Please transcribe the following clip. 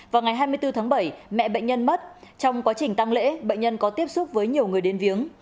vào ngày hai mươi bốn tháng bảy mẹ bệnh nhân mất trong quá trình tăng lễ bệnh nhân có tiếp xúc với nhiều người đến viếng